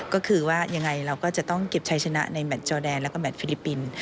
ก็คือว่ายังไงเราก็จะต้องเก็บใช้ชนะในแมทจอแดนแล้วก็แมทฟิลิปปินส์